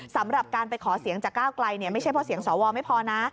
สำหรับการไปขอเสียงจากก้าวไกลไม่ใช่เพราะเสียงสวไม่พอนะ